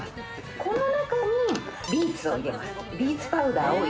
この中にビーツを入れます。